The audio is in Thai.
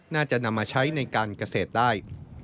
น่าจะนำมาใช้ในการเกษตรได้